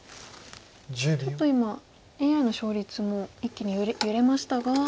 ちょっと今ＡＩの勝率も一気に揺れましたが。